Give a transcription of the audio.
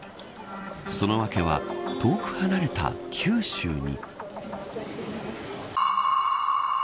その訳は、遠く離れた九州に。